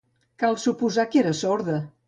Cal suposar que era sorda